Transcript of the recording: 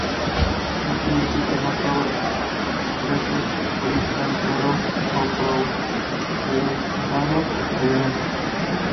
No quiere decir que todo preso político ha empleado o propugnado la violencia.